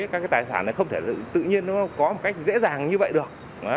các tài sản này không thể tự nhiên có một cách dễ dàng như vậy được